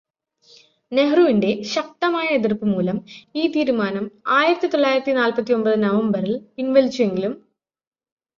നെഹ്റുവിന്റെ ശക്തമായ എതിര്പ്പുമൂലം ഈ തീരുമാനം ആയിരത്തി തൊള്ളായിരത്തി നാല്പത്തിയൊമ്പത് നവംബറില് പിന്വലിച്ചുവെങ്കിലും